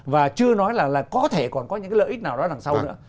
và chưa nói là có thể còn có những lợi ích nào đó đằng sau nữa